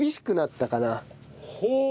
ほう。